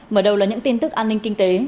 mở đầu là những tin tức an ninh kinh tế